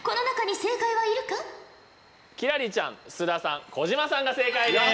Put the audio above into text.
輝星ちゃん須田さん小島さんが正解です。